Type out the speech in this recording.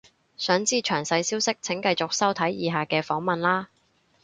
想知詳細消息請繼續收睇以下嘅訪問喇